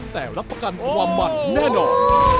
แต่รับประกันความมันแน่นอน